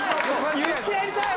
言ってやりたい！